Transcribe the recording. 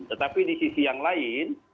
tetapi di sisi yang lain